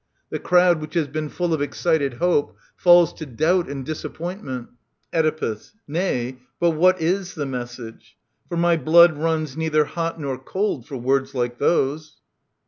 [The crowdy which has been full of excited hope, falls to doubt and disappointment, Oedepus. Nay, but what is the message ? For my blood Runs neither hot nor cold for words like those.